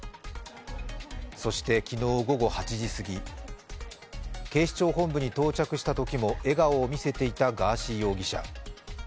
そして、昨日午後８時すぎ、警視庁本部に到着したときも笑顔を見せていたガーシー容疑者。